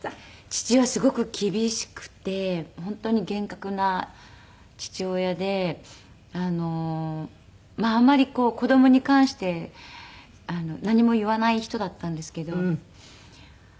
父はすごく厳しくて本当に厳格な父親であんまり子供に関して何も言わない人だったんですけど。